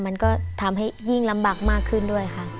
มันก็ทำให้ยิ่งลำบากมากขึ้นด้วยค่ะ